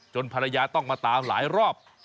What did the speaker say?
ภรรยาต้องมาตามหลายรอบ